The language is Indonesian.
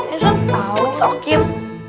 ini soal tau sokim